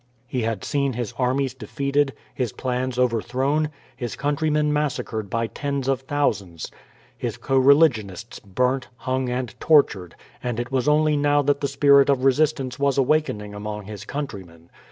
He had seen his armies defeated, his plans overthrown, his countrymen massacred by tens of thousands, his co religionists burnt, hung, and tortured, and it was only now that the spirit of resistance was awakening among his countrymen.